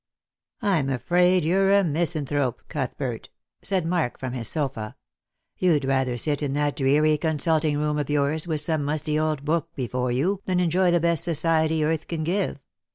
" I'm afraid you're a misanthrope, Cuthbert," said Mark from his sofa. " You'd rather sit in that dreary consulting room of yours, with some musty old book before you, than enjoy the best society earth can give."